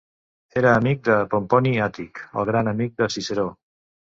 Era amic de Pomponi Àtic, el gran amic de Ciceró.